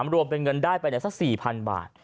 รวมเป็นเงินได้ไปสัก๔๐๐๐บาท